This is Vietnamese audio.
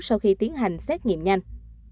sau khi tiến hành xét nghiệm nhanh